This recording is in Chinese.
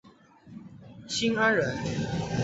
新安人。